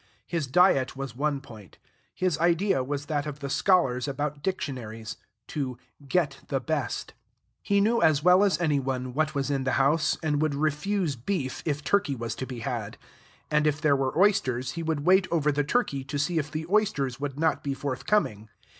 His diet was one point; his idea was that of the scholars about dictionaries, to "get the best." He knew as well as any one what was in the house, and would refuse beef if turkey was to be had; and if there were oysters, he would wait over the turkey to see if the oysters would not be forthcoming.